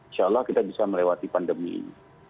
insya allah kita bisa melewati pandemi ini